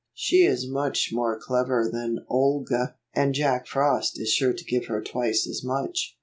She is much more clever than Olga, and Jack Frost is sure to give her twice as much."